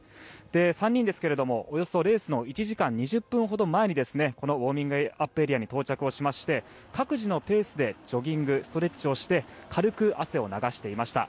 ３人ですけれども、レースのおよそ１時間２０分ほど前にこのウォーミングアップエリアに到着しまして各自のペースでジョギング、ストレッチをして軽く汗を流していました。